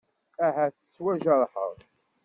Ahat tettwajerḥeḍ?